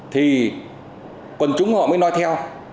thì quần chúng họ mới nói theo